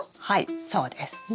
はいそうです。